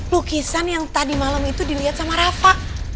lukisan yang tadi malam itu dilihat sama rafa